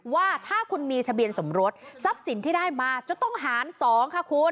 ว่าถ้าคุณมีทะเบียนสมรสทรัพย์สินที่ได้มาจะต้องหาร๒ค่ะคุณ